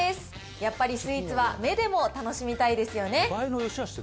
やっぱりスイーツは目でも楽しみたいですよね。